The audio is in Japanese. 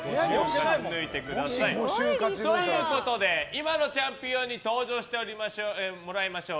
今のチャンピオンに登場してもらいましょう。